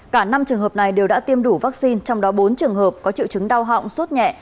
cả năm trường hợp này đều đã tiêm đủ vaccine trong đó bốn trường hợp có triệu chứng đau họng sốt nhẹ